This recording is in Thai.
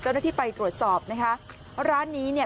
เจ้าหน้าที่ไปตรวจสอบนะคะร้านนี้เนี่ย